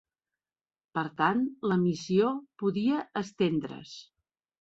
Per tant, la missió podia estendre's.